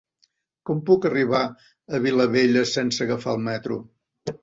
Com puc arribar a Vilabella sense agafar el metro?